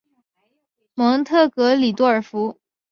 蒙特格里多尔福。